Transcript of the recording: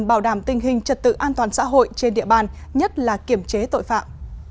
bảo đảm tình hình trật tự an toàn xã hội trên địa bàn nhất là kiểm chế tội phạm